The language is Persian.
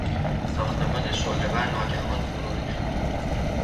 ساختمان شعلهور ناگهان فرو ریخت.